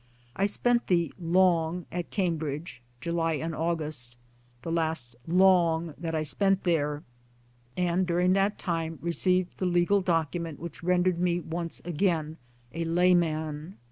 " I spent the * Long ' at Cambridge July and August the last * Long ' that I spent there ; and during that time received the legal document which rendered me once again a layman.